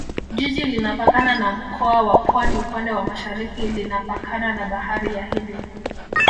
Jiji linapakana na Mkoa wa Pwani upande wa Mashariki linapakana na Bahari ya Hindi